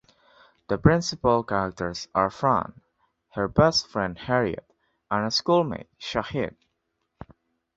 The principal characters are Fran, her best friend Harriet, and a schoolmate, Shahid.